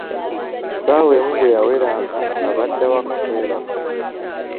Ssaawa emu bwe yaweranga nga badda waka kwebaka.